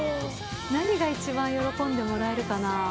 何が一番喜んでもらえるかな。